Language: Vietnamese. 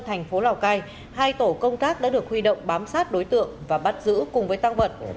thành phố lào cai hai tổ công tác đã được huy động bám sát đối tượng và bắt giữ cùng với tăng vật